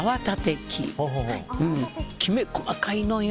きめ細かいのよ。